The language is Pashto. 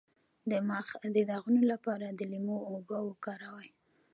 د مخ د داغونو لپاره د لیمو اوبه وکاروئ